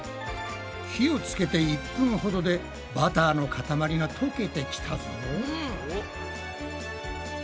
火をつけて１分ほどでバターのかたまりがとけてきたぞ。